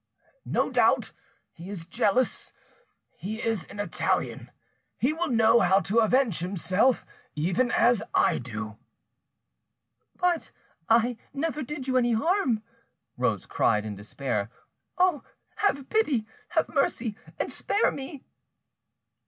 "No doubt: he is jealous, he is an Italian, he will know how to avenge himself—even as I do." "But I never did you any harm," Rose cried in despair. "Oh! have pity, have mercy, and spare me!"